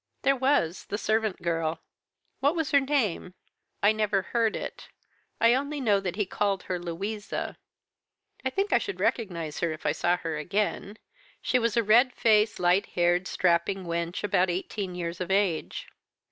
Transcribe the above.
"'There was, the servant girl.' "'What was her name?' "'I never heard it. I only know that he called her Louisa. I think I should recognise her if I saw her again. She was a red faced, light haired, strapping wench, about eighteen years of age.'